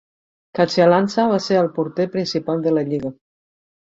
Caccialanza va ser el porter principal de la lliga.